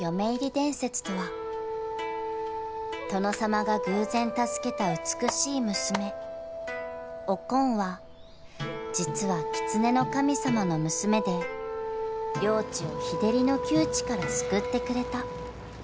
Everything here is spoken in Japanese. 伝説とは殿様が偶然助けた美しい娘おこんは実はきつねの神様の娘で領地を日照りの窮地から救ってくれた］